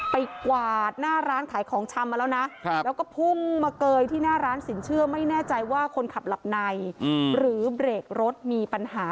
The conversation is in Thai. กวาดหน้าร้านขายของชำมาแล้วนะแล้วก็พุ่งมาเกยที่หน้าร้านสินเชื่อไม่แน่ใจว่าคนขับหลับในหรือเบรกรถมีปัญหา